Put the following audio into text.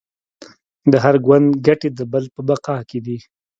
د هر ګوند ګټې د بل په بقا کې دي